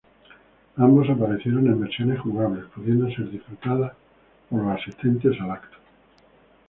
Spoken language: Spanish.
Ambos aparecieron en versiones jugables pudiendo ser disfrutado por los asistentes al evento.